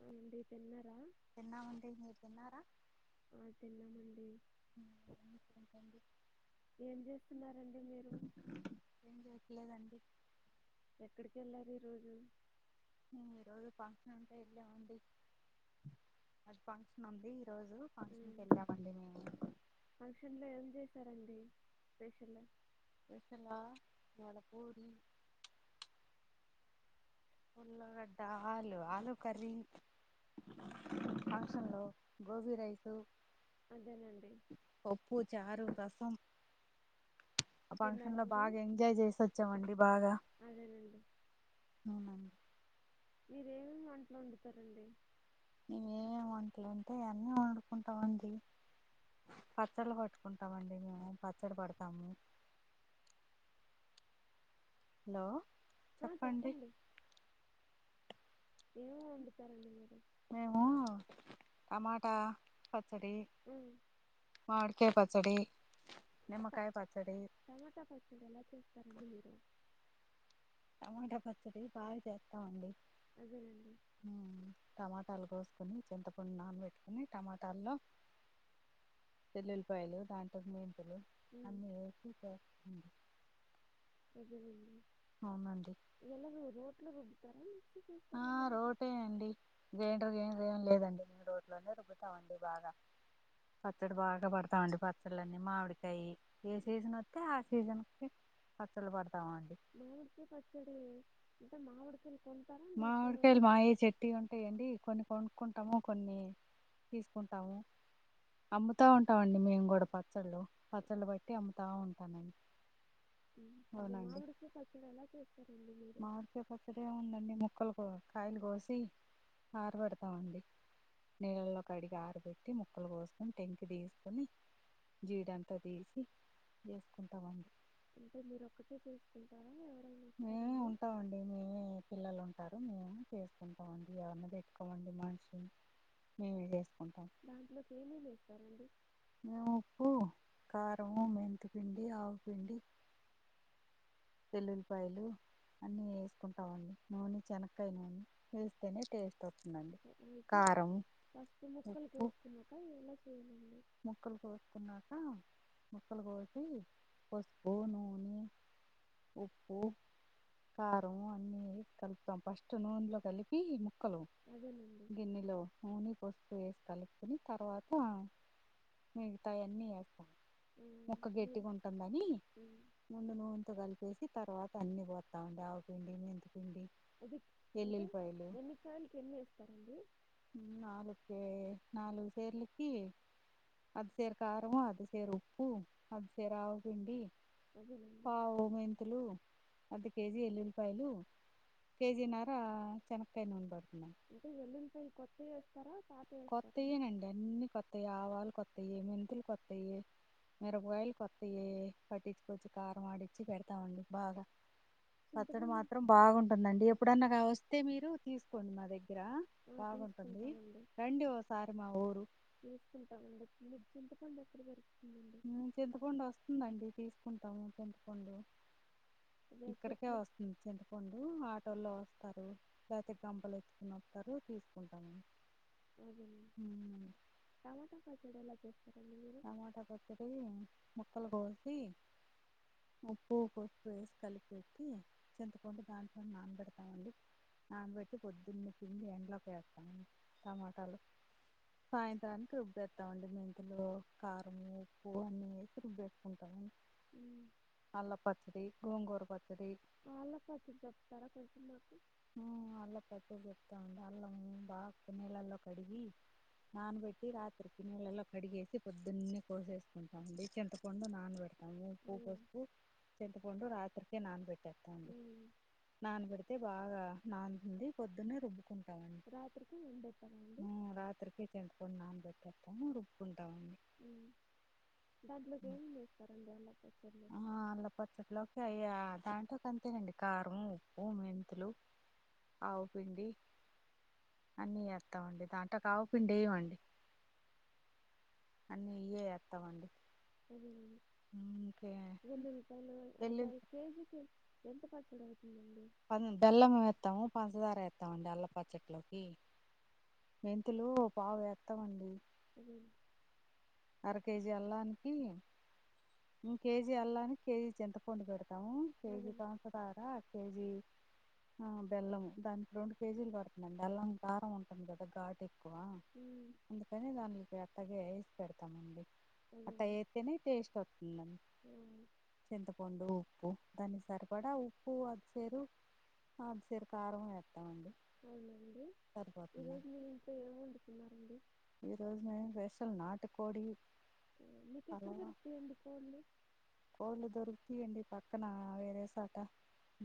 అవునండి తిన్నారా తిన్నం ఆండీ మీరూ తిన్నారా ఆ తిన్నామండి ఇంకేంటండి ఏం చేస్తున్నండి మీరు ఏం చేయట్లేదండి ఎక్కడికి వెళ్ళారు ఈ రోజు ఈ రోజు ఫంక్షన్ అంటే ఇళ ఉండి అది ఫంక్షన్ ఉంది ఈరోజు ఫంక్షన్కి వెళ్ళామండి మేము ఫంక్షన్ లో ఏం చేసారండి స్పెషల్ [unintelligible] మడ పూరి ఉల్గడ్డ ఆలు ఆలుూ కరీ ఫంక్షన్ లో గోబీ రైసు అదేనండి పప్పు చారు రసం ఆ ఫంక్షన్ లో తిన్నారండి బాగా ఎంజాయ్ చేసచ్చామండి బాగా అదేనండి అవు మీరేమేమి వంటలో వండుతారండి నువవేమ వంటలు అంటే అవన్నీ వండుకుంటాం ఆండీ పచ్చళ్ళ పట్టుకుంటామండి మేము పచ్చడి పడతాము హలో ఆ చెప్పండి ఏమో వండుతారండి మీరు మేము టమాటా పచ్చడి ఉమ్, మడకే పచ్చడి నిమ్మకాయ పచ్చడి టమాటా పచ్చడి ఎలా చేస్తారండి మీరు తమాట పచ్చడి అదేనండి [unintelligible] టమాటలగుోస్ కని చింతపండు నాన పెెట్టుకుొని టమాటాల్లో చెల్లుల్లిపాయలు దాంట్లో మేంపులు ఉమ్, అన్నీ వేసి చేస్తుంది అగేనండి అవునండి ఎట్లా రొ్తారా ఆ రోటేండి గ్రైండర్ గ్రైండర్ ఏమి లేదండి నను రోడ్లోనే పతామండి బాగా పచ్చడి బాగా పడతామండి పచ్చడులన్నీ మామిడి ఏ ఆ, సీజన్ వతే ఆ సీజన్ ఫసలు పడ మామిడుకయ పచ్చడి ఉంట మామిడుకలు మామిడికాయలు మాయే చెట్టి ఉంటాయండి కొన్ని కొనుక్ంట ట్టము కొన్ని తీసుకుంటాము అమ్ముతా ఉంటామండి మేము కూడా పచ్చళ్ళు పచ్చళ్ళు బట్టి అమ్ముతా ఉంటానండి అదే మామిడికి పచ్చడి ఎలా చేస్తారండి మీరు మార్చే పచ్చడి ఉందండి ముక్కలులకు కాయలు కోసి ఆరపడతామండి నీళ్ళలో కడిగి ఆరబెట్టి ముక్కలు పోసుకొని టెంకి తీసుకొని జీడంతా తీసి చేసుకుంటా ఉండి అంటే మీరు ఒక్కటే చేసుకుంటారా ఎవరైనా మేమే వస్తారండి ఉంటామండి మేమే పిల్లలు ఉంటారు మేము చేసుకుంటాంది అన్నది ఎట్టుకోవండి మనిషి మేస్త దాంట్లోకి ఏమేమిేస్తారండి మేము ఉప్పు కారంము మెంతపిిండి ఆవుపిిండి పెల్లుల్లిపాయలు అన్ని వేసుకుంటాంండి నూనె శనకాయయి నూనె వేస్తేనే టేస్ట్ అవుతుంది అయితే ఫస్ట్ ముక్కలు కోసుకున్నాక ఎలా చేయాలండి ముొక్కలులకు వస్తున్నాక ముక్కలు కోోసి పష్పుూ నూన ఉప్పు కారం అన్నిీ కలుపుతాం ఫస్ట్ నూనెలో కలిపి ము ముక్కలు అదేనండి గిన్నెలో నూనె పసుపు వేసి కలుపుకుొని తర్వాత నతాయన్ని అ ఉమ్, మొక్క మీ- గట్టిగా ఉంటుందని ఉమ్, ముందు నూనెతో కలిపేసి తర్వాత అన్ని పోతాండి ఆవికుండి అది అంటే ఎన్ని కాయలకి ఎన్ని ఇస్తారండి నాలుక నాలుగు సేర్లికి అది సేరు కారంవం అది సేరు ఉప్పు అది సేరు ఆవుపిిండి అదేనండి పా ఓ మెంతులు అర్ధ కేజీ ఎల్లుల్లిపాయలు కేజీ నర చెనకాయ నూనబడుతుంది అంటే వెల్లుల్ ప కొత్తవిస్త కొత్తయేనండి అన్నిీ కొత్తయి ఆవాలు కొత్తయ మెంతులు కొత్తవి మిరపయలు కొత్తవి పట్టించుకొచ్చి కారం వాడించిి పెడతామండి బాగా పచ్చడి చింతపండు మాత్రం బాగుంటుందండి ఎప్పుడన్నా వస్తే మీరు తీసుకోండి మా దగ్గర రా ఆ, బాగుంటుంది తీసుకుంటామండి రండి ఓసారి మా ఊరు తీసుకుంటామండి మీకు చింతపండి ఎక్కడి వరకు చింతపండు వస్తుందండి తీసుకుంటాము చింతపండు అదే ఇక్కడికే చెట్లు వస్తుంది చింతపండు ఆటోల్లో వస్తు ారు లేకతే గపలు ఎత్తుకుని వతారు తీసుకుంటాము అే ఉమ్, టమాటా కచడులా టమాటా పచ్చడి ముక్కలు కోసి ఆ పు పసు వేసి కలిపి పెట్టి చింతకుంటడా దాంట్లో నానబెడతామండి నానబట్టి పొద్దున్న పిండి ఎండ్లోకి వేస్తాం టమాటాలు సాయంత్రానికి రుబ్బితామండి మీ ఇంట్లో కారం ఉప్పు అన్నీ తుబేట్టుకుంటాము మ్మ్. అల్ల పచ్చడి గోంగూర పచ్చడి ఆళ్ళ పచ్చడ చెప్తారా కొంచెం నాకు అల్ల పచ్చడ చెప్తా అండి అల్లం బాగా కొనేలల్లో కడిగి నానబెట్టి రాత్రి పినీలెలో కడిగేసి పొద్దున్నే కోసేసుకుంటాం డి చెంతపండు నాన పెడతా అ ఉప్పు అదే వసుకు చెంతపండు రాత్రికి నాన్ పెట్ పెతండి మ్మ్. నాన్నబడితే బాగా నాన్నంది పొద్దున్నే రుబ్బుకుం తం రాత్రికి నానబెట్టాలా అండి ఉమ్ రాత్రకి చింతపండ్ నాన్ పెట్టుకుంటాను రుబ్కుంట ఉమ్ దాంట్లోకి ఏంవేస్తారండి అళ్ళ ఆ అల్ల పచ్చట్లుకే అయ్యా దాంట్ అంతేనండి కారం ఉప్పు మెంతులు ఆవుపిండి అన్ని అతమడి తంట్లోకి అవ పిండి వేయండి అన్నీ ఇయ్యే ఏస్తామండి అదేనండి వెల్లుఉల్లిపాయలు అద వెల్లుల్లి కేజీకి ఎంత పచ్చడ ప బెల్లం ఏతము పంచదార ఏతమ అండి అల్ల పచ్చట్లోకి మెంతులు పావేత్తామండి ఉమ్ అర కేజీ అల్లానికి కేజీ అల్లానికి కేజీ చింతపండు పెడు తం అదే కేజి పంచదార కేజీ ఆ బెల్లం దానికి రెండు కేజీలు పడుతుందండి బెల్లం కారం ఉంటుంది కదా ఘాటె ఏకువా మ్మ్. అందుకని దాన్లకి అట్టగే పెడతామండి అట్ట అదేనండి చేతేనే టేస్ట్ వస్తుందండి ఆ, చింతపండు ఉప్పు దాన్ని సరిపడా ఉప్పు అద్దసేరు ఆ అద్దసేరు కారం ఏ అవునండి ఈరోజు మీ ఇంట్లో ఏం వండుకున్నారండి ఈ రోజు నేను వేసలు నాటు కోడి మీకెక్కడ దొరుకుతాయండి కోళ్ళు కోళ్ళ దొరుకుతాయండి పక్కన వేరేసాట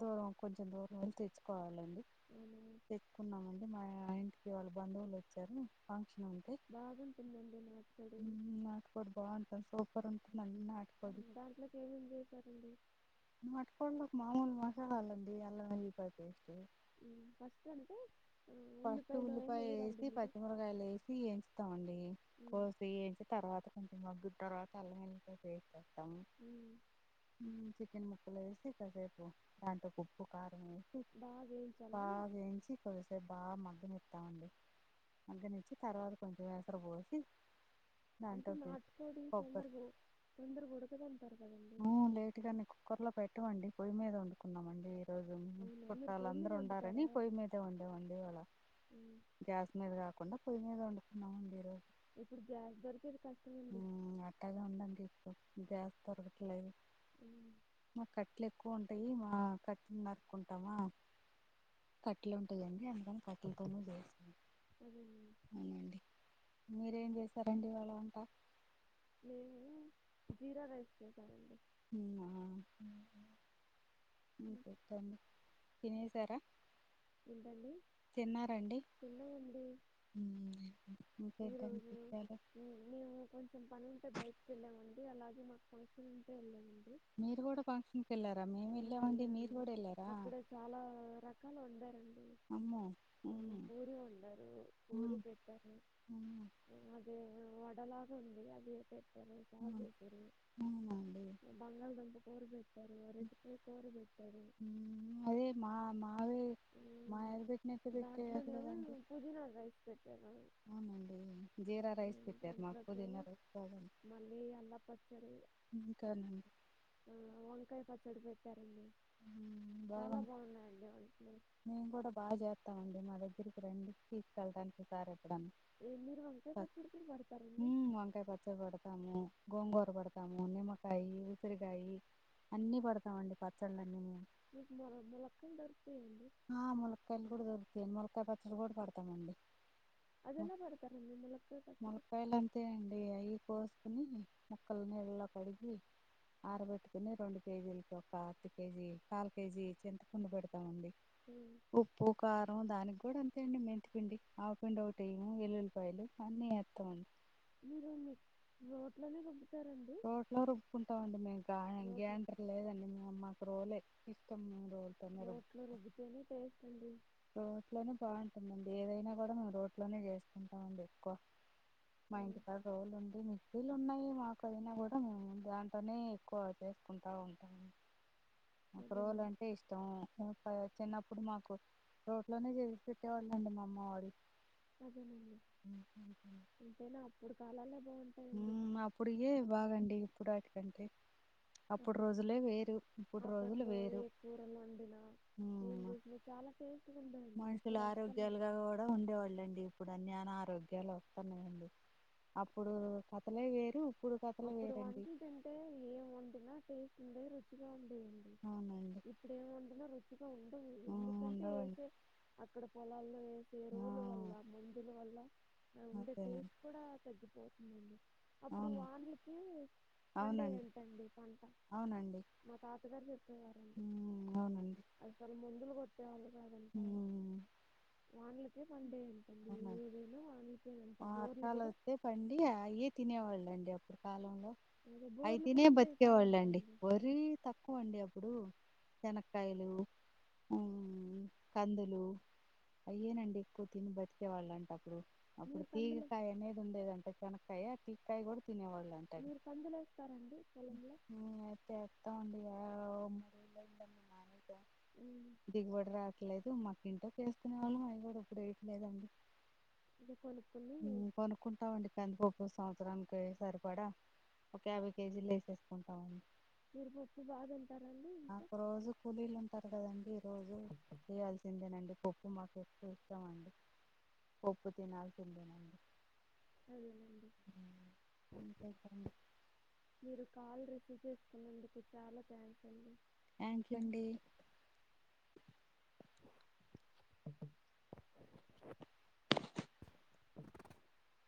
దూరం కొంచెం దూరం వెళ్ళి తెర్చ్చుకోవాలండి అవునా తేక్కున్నామండి మా ఇంటికి వాళ్ళు బంధువులు వచ్చారు బాగుంటుందా నాటుకోడు బాగుంటుంది సూపర్ ఉంటుంది అన్నీ నాటుకోడు ఏమం చేశారండి నాట్టుకోల్లోకి మామూలు మసాలా అలండి అల్ న పేస్ట్ ఉమ్ ఫస్ట్ అంటే ఆ, ఫస్ట్ ఉల్లిపాయలు అయినా ఉల్లిపాయ వేయరండి వేసి మీరు పచ్చిమిరకాయలు వేసి వయించుతాండి మ్మ్. కోసి వయించి తర్వాత తర్వాత కొంచెం మగ్గురు తర్వాత అల్ల వేసేస్తాము మ్మ్. చికెన్ ము క్కలేసి కాసేపు దాట్లో ఉప్పు కారం వేసి బాగా వేయించాలా బగా అండి వేంచి బాగా మగ్గని ఇస్తామండి మగ్గని ఇచ్చి తర్వాత కొంచెం ఎసరు పోసి అంటే దాంట్లోకి నాటుకోడి తొందరగో తొందరగుడుకదం ఆ లేటుగాని కుక్కర్ లో పెట్టవండి పొయ్యి మీద వండుకున్నాంమండి రోజు అవునా మీరు పొయ్యి మీద చుట్టాలందరు ఉండారని వండుతారా పొయి మీద ఉండవండి వాళ మ్మ్. గ్యాస్ మీద కాకుండా పొయి మీద వండుకున్నాండి ఈ రోజు ఇప్పుడు గ్యాస్ దొరికేది కష్ అట్టాగా ఉండండి తీసు జాస్ దొరగట్లేదు మ్మ్. మా కట్లే కోం టై ఆ కట్టెలు నరుకుంటాము కట్టెలు ఉంటాయి కటెల్తోనే చేసుకుంటాం అదేనండి అవునండి మీరేం చేసారంండి ఇవాళ వంట నేను జీరా రైస్ చేసానండి అవునా ఉమ్ ఇంక- పెట్టండి తినేసి సర ఏంటండి తిన్నాంమండి ఉమ్. ఈ ఇంకేంటండి రోజు విషయాలు మేము కొంచెం పని ఉంటే బయటకు వెళ్ళామం అలాగే మాకు ఫంక్షన్ ఉంటే వెళ్దామండి మీరు కూడా ఫంక్షన్కి వెళ్ళారా మేము వెళ్ళామండి మీరు కూడా వెళ్ళారా అక్కడ చాలా రకాలు వండారండి అమ్మో ఆ ఉమ్ పూరి వండారు పూరి ఉమ్ పెట్టారు ఉమ్ అదే వడలాగా ఉంద వెడి అది పెట్టారు బా ఉమ్ చేసారు అవునండి బంగాళ దంప అదే మా మావి ఆ, మాయర్ పెట్టిన నట్టు పెట్టరు దాంట్లోనేమో కదండి పుదీనా రైస్ పెట్టారు అవునండి జీరా రైస్ ఉమ్, పెట్టారు మాకు దాంట్లోకేమో పుదీనా రైస్ పోం మళ్ళీ అల్ల పచ్చడి ఇంకార్న్ ఆ వంకాయ పచ్చడి పెట్టారండి చాలా బాగుంది బాగున్నాయండి వంట్లు మేము కూడా బాగా చేస్తామ అండి మా దగ్గరికి రండి తీసుకెల్తా ఈసారి ఏ, మీరు వంకాయ పచ్చడి కూడా పెడతారండి హమ్ వంకాయ పచ్చడి పెడతాము గోంగోర పెడతాము నిమ్మకాయ ఉసిరికాయ అన్ని పెడతామండి పచ్చళ్ళ అన్ని మే నీక్ మొలక్ మొలక్కంటారు ఆ ములక్కాయలు కూడా దొరుకుతాయి ములక్కాయ పచ్చలు కూడా పెడతామండి అది ఎలా పెడతారండి ములక్కాయ పచ్చడి ములక్కాయలు అంతే అండి అవి కోసుకుని ముక్కల్ని నీళ్లలో కడిగి ఆరబెట్టుకుని రెండు కేజీలకి ఒక అతి కేజీ కాలు కేజీ చింత కుండ పెడతామండి ఉమ్, ఉప్పు కారం దానికి కూడా మెంతు పిండి ఆవపిండి ఒకటి వేయము ఎల్లులిపాయలు అన్నీ వస్తామండి మీరు మీ రోట్లనే రుబ్బ రోట్లో రుబ్బకుంటాం అండి మేము రోట్లు గైండర్ లేదండి మేము మాకు రోలు ఇష్టం రోలుతోనే రుబ్ రోట్లు రుబ్బుతేనే టేస్ట్ అండి రోట్లోనే బాగుంటుందండి ఏదైనా కూడా మేము రోట్లోనే చేసుకుంటామండి ఎక్కువ మా ఆ, ఇంటి కాడ రోలు ఉంది వీళ్లుు ఉన్నాయి మాకు అయినా కూడా మేము దాంట్నే ఎక్కువ చేసుకుంటా ఉంటాము రోల్ అదేనండి అంటే ఇష్టం ముప్పై చిన్నప్పుడు మాకు రోట్లోనే చేసి పెట్టేవాళ్ళ అండి మా అమ్మ వాళ్లు అదేనండి ఇంతేనా అప్పుడు కాలాలే బాగుంటాయండి హ్మ్ అప్పుడికే బాగండి ఇప్పుడు వాటిడంటే అప్పుడు అప్- రోజులే వేరు ఇప్పుడు రోజులు అప్పట్లో వేరు ఏ కూరలు వండినా ఏం చేసినా చాలా టేస్ట్గా ఉండేయండి మనుషులు ఇప్పుడు అస్సలు ఆరోగ్యాలుగా కూడా ఉండేవాళ్ళండి ఇప్పుడు అన్న ఆరోగ్యం లా వస్తున్నాయండి అప్పుడు కథలే వేరు ఇప్పుడు కథలు అప్పుడు వేరండి వంటలు తింటే ఏం వండినా టేస్ట్ ఉండ రుచిగా ఉ డి అవునండి ఇప్పుడు ఏం వండిన రుచిగా ఉండవు ఆ ఎందుకంటే ఏస ఉండవండి ఇక్కడ పొలాల్లో వేసె ఆ ఎరువుల వల్ల మందుల వల్ల ఉండే అదేనండి టేస్ట్ కూడా తగ్గి పోతుందండి అప్పుడు అవును వానలకి పండ అవునండి ఏంటండి పంట అవునండి మా తాతగారు చెప్పేవారండి ఉమ్ అవునండి అసలు ముందు మందులు కొట్టేవాళ్ళు కాదంట ఉమ్ వానలకే పండేయండి అవునా బోర్లు వతాల కూడా వస్తే పండి అయే తినేవాళ్ళండి అప్పు అదే అఐ బోర్లు తినే కూడా ఉండేవి బతికేవాళ్ళండి కాదంటండి వరి తక్కువ అండి అప్పుడు చెనకాయలు ఉమ్ కందులు అయ్యేనండి ఎక్కువ తిని బతు వచ్చేవాళ్ళంటే అప్పుడు మీరు అప్పుడికి కందులే తీగకాయ అనేది ఉండేదంటే చెనకాయ తీగకాయ కూడా తినేవాళ్ళు అంతె మీరు కందులేస్తారండి పొలంలో అయితే ఏత్త ఉండు ఏదొ ఉమ్, దిగుబడి రాట్లేదు మ ఇంటొచెస్కునే వాళ్ళం అయి గూడా ఇప్పుడు ఏయట్లేదండి ఇది కొనుక్కుని మ్ కొనుక్కుంటామండీ కందిపప్పు స సంవత్సరానికి సరిపడా ఒక యాభై కేజీలు వేసేసుకుంటామండి మీరు పప్పు బాగా తింటారండి ఇంకా అక్కొ రోజు కూలీలు ఉంటారు కదండి రోజు ఎయాల్సిందేనండి పప్పు మాకు ఎక్కువ ఇష్టమండి పప్పు తినాల్సిదేనండి అదేలేండి ఇంకేంటండి మీరు కాల్ రిసీవ్ చే కున్నందుకు చాలా థ్యాంక్స్ అండి థాంక్క్యూ అండి [inaudible] [inaudible]